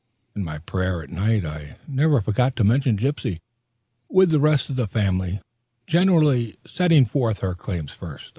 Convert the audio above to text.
In my prayer at night I never forgot to mention Gypsy with the rest of the family generally setting forth her claims first.